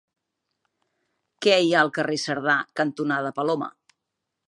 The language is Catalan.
Què hi ha al carrer Cerdà cantonada Paloma?